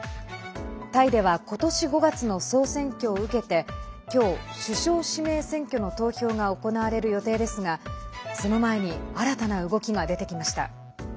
タイでは今年５月の総選挙を受けて今日首相指名選挙の投票が行われる予定ですがその前に新たな動きが出てきました。